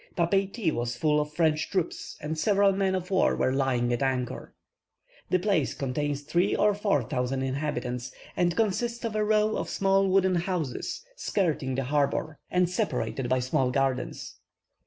Papeiti was full of French troops, and several men of war were lying at anchor. The place contains three or four thousand inhabitants, and consists of a row of small wooden houses, skirting the harbour, and separated by small gardens.